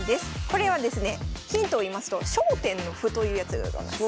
これはですねヒントをいいますと焦点の歩というやつでございます。